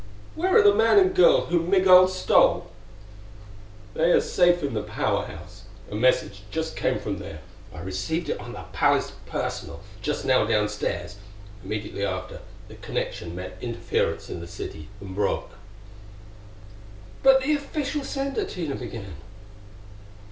"Where are the man and girl whom Migul stole?" "They are safe in the Power House. A message just came from there: I received it on the palace personal, just now downstairs. Immediately after, the connection met interference in the city, and broke." "But the official sender " Tina began.